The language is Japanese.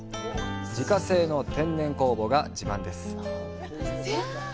自家製の天然酵母が自慢です。